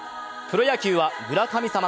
プロ野球は村神様